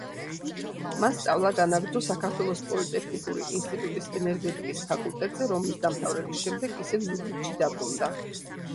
მან სწავლა განაგრძო საქართველოს პოლიტექნიკური ინსტიტუტის ენერგეტიკის ფაკულტეტზე, რომლის დამთავრების შემდეგ ისევ ზუგდიდში დაბრუნდა.